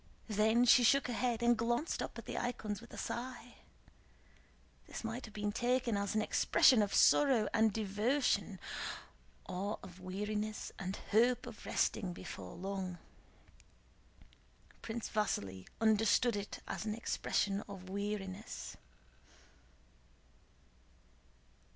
Then she shook her head and glanced up at the icons with a sigh. This might have been taken as an expression of sorrow and devotion, or of weariness and hope of resting before long. Prince Vasíli understood it as an expression of weariness.